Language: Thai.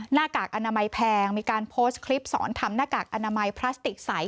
หน้ากากอนามัยแพงมีการโพสต์คลิปสอนทำหน้ากากอนามัยพลาสติกใส